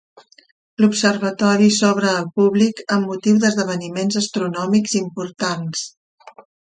L'observatori s'obre al públic amb motiu d'esdeveniments astronòmics importants.